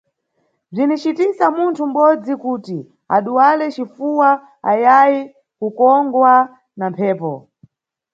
Bzinicitisa munthu mʼbodzi kuti aduwale cifuwa ayayi kukongwa na mphepo.